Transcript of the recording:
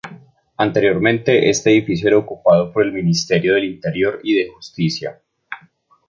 Anteriormente este edificio era ocupado por el Ministerio del Interior y de Justicia.